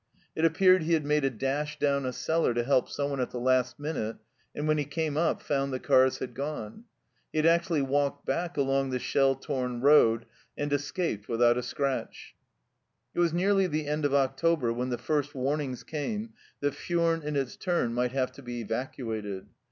It appeared he had made a A HIDEOUS NIGHT DRIVE 95 dash down a cellar to help someone at the last minute, and when he came up found the cars had gone. He had actually walked back along the shell torn road and escaped without a scratch. It was nearly the end of October when the first warnings came that Furnes in its turn might have to be evacuated.